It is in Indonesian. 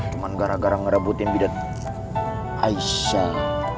cuman gara gara ngerebutin bidet aisyah